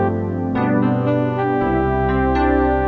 ntar agak pas